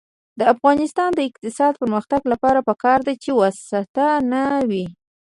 د افغانستان د اقتصادي پرمختګ لپاره پکار ده چې واسطه نه وي.